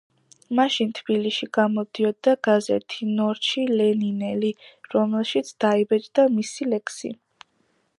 მაშინ თბილისში გამოდიოდა გაზეთი „ნორჩი ლენინელი“, რომელშიც დაიბეჭდა მისი ლექსი.